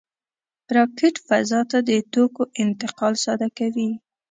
راکټ فضا ته د توکو انتقال ساده کوي